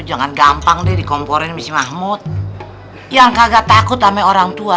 jangan gampang deh dikomporin masih mahmud yang kagak takut sama orangtua